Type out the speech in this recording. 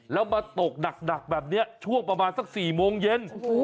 แล้วมาตกหนักแบบนี้ช่วงประมาณสัก๔โมงเย็น